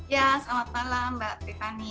ya selamat malam mbak tiffany